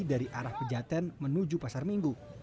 dari arah pejaten menuju pasar minggu